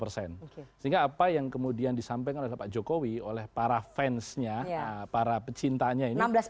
sehingga apa yang kemudian disampaikan oleh pak jokowi oleh para fansnya para pecintanya ini